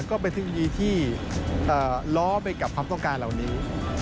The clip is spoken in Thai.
ก็เป็นเทคโนโลยีที่ล้อไปกับความต้องการเหล่านี้